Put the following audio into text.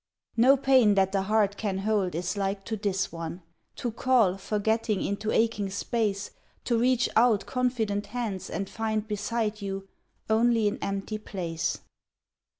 No pain that the heart can hold is like to this one — To call, forgetting, into aching space, To reach out confident hands and find beside you Only an empty place.